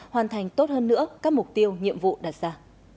hoàn thành tốt hơn nữa các mục tiêu nhiệm vụ đặt ra